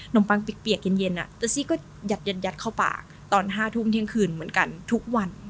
มปังเปียกเย็นเตอร์ซี่ก็ยัดเข้าปากตอน๕ทุ่มเที่ยงคืนเหมือนกันทุกวัน